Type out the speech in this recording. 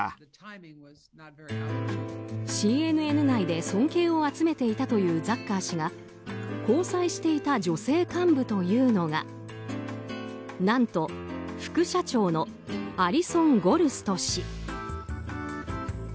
ＣＮＮ内で、尊敬を集めていたというザッカー氏が交際していた女性幹部というのが何と副社長のアリソン・ゴルスト氏。